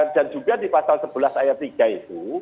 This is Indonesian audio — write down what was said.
dan juga di pasal sebelas ayat tiga itu